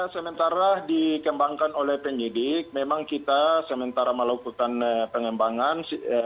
sementara dikembangkan oleh penyidik memang kita sementara melakukan pengembangan